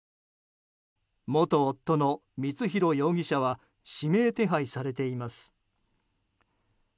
元夫の光弘容疑者は指名手配されています。